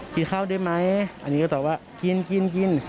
กินข้าวได้ไหมอันนี้ก็ตอบว่ากินกิน